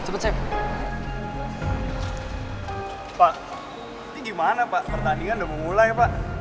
pak ini gimana pak pertandingan udah mulai ya pak